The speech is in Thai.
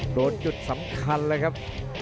โอ้โหโดดหยุดสำคัญเลยครับ